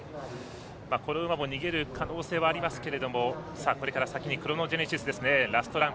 この馬も逃げる可能性はありますけどもこれから先にクロノジェネシスラストラン。